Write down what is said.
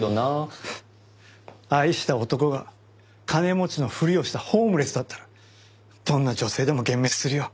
フッ愛した男が金持ちのふりをしたホームレスだったらどんな女性でも幻滅するよ。